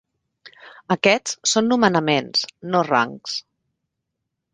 Aquests són nomenaments, no rangs.